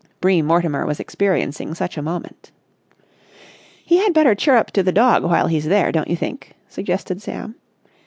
Bream Mortimer was experiencing such a moment. "He had better chirrup to the dog while he's there, don't you think?" suggested Sam.